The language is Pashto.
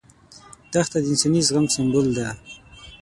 دښته د انساني زغم سمبول ده.